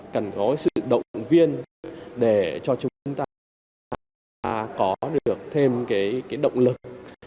cần có sự động viên để cho chúng ta có được thêm cái động lực